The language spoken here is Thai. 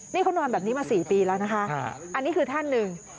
นี่เขานอนแบบนี้มา๔ปีแล้วนะคะอันนี้คือท่านหนึ่ง